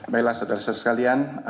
baiklah saudara saudara sekalian